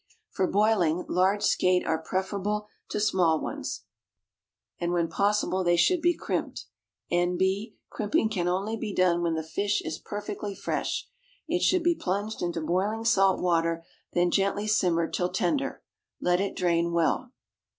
For boiling, large skate are preferable to small ones, and when possible they should be crimped. (N.B. Crimping can only be done when the fish is perfectly fresh.) It should be plunged into boiling salt water, then gently simmered till tender. Let it drain well.